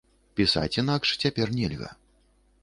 Пісаць інакш цяпер нельга.